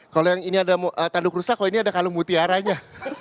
kalau yang ini ada tanduk rusak kalau yang ini ada kalung mutiara nya